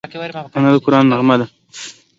انا د قرآن نغمه ده